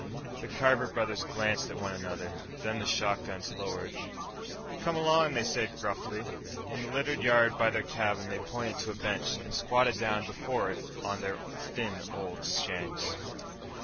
The Carver brothers glanced at one another, then the shotguns lowered. "Come along," they said gruffly. In the littered yard by their cabin, they pointed to a bench and squatted down before it on their thin old shanks.